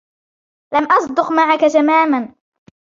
لم أصدُق معك تماما.